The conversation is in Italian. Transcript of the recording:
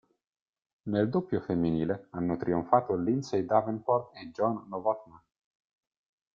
Nel doppio femminile hanno trionfato Lindsay Davenport e Jana Novotná.